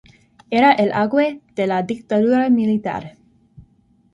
Era el auge de la dictadura militar.